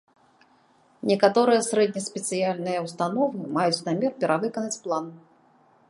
Некаторыя сярэднеспецыяльныя ўстановы маюць намер перавыканаць план.